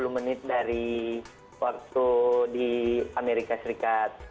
dan tiga puluh menit dari waktu di amerika serikat